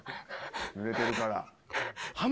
ぬれてるから。